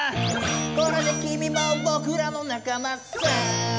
「これできみもぼくらの仲間さ」